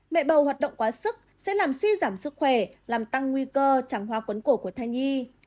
mẹ bầu hoạt động quá sức sẽ làm suy giảm sức khỏe làm tăng nguy cơ chẳng hoa cuốn cổ của thai nhi